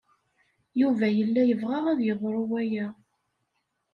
Yuba yella yebɣa ad yeḍru waya.